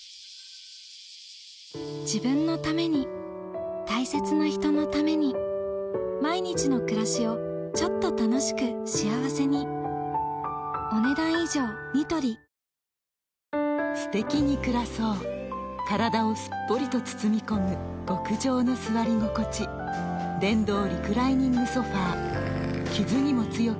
自分のために大切な人のために毎日の暮らしをちょっと楽しく幸せにすてきに暮らそう体をすっぽりと包み込む極上の座り心地電動リクライニングソファ傷にも強く抗ウイルス加工